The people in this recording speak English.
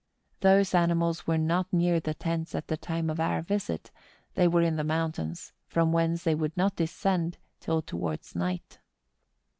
Those animals were not near the tents at the time of our visit; they were in the mountains, from whence they would not descend till towards night.